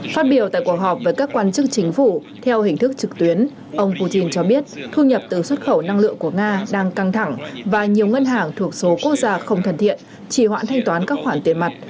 phát biểu tại cuộc họp với các quan chức chính phủ theo hình thức trực tuyến ông putin cho biết thu nhập từ xuất khẩu năng lượng của nga đang căng thẳng và nhiều ngân hàng thuộc số quốc gia không thân thiện chỉ hoãn thanh toán các khoản tiền mặt